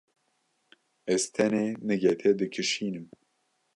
Ez tenê nigê te dikişînim.